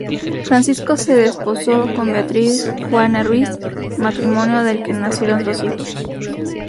Francisco se desposó con Beatriz Juana Ruiz, matrimonio del que nacieron dos hijos.